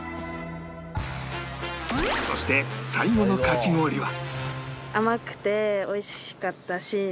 そして最後のかき氷は